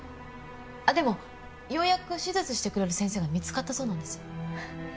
あっでもようやく手術してくれる先生が見つかったそうなんです。